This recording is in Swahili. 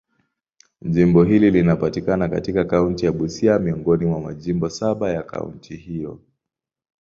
Jimbo hili linapatikana katika kaunti ya Busia, miongoni mwa majimbo saba ya kaunti hiyo.